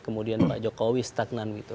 kemudian pak jokowi stagnan gitu